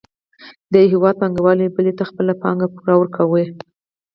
د یو هېواد پانګوال بل ته خپله پانګه پور ورکوي